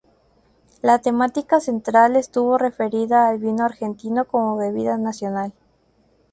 La temática central estuvo referida al Vino argentino como bebida nacional.